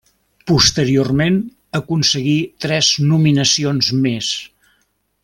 Posteriorment aconseguí tres nominacions més.